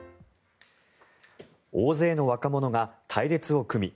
大勢の若者が隊列を組み